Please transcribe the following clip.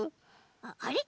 あれ？